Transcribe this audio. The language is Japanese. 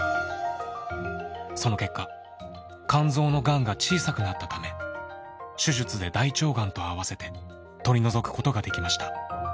その結果肝臓のがんが小さくなったため手術で大腸がんと併せて取り除くことができました。